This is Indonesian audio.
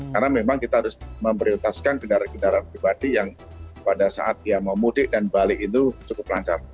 karena memang kita harus memprioritaskan kendaraan kendaraan pribadi yang pada saat dia mau mudik dan balik itu cukup lancar